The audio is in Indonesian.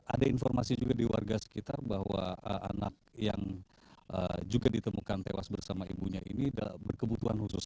ada informasi juga di warga sekitar bahwa anak yang juga ditemukan tewas bersama ibunya ini berkebutuhan khusus